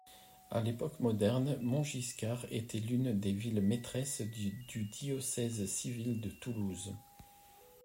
À l'époque moderne, Montgiscard était l'une des villes maîtresses du diocèse civil de Toulouse.